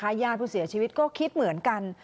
ญาติผู้เสียชีวิตก็คิดเหมือนกัน